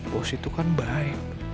bos itu kan baik